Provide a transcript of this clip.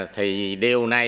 thì điều này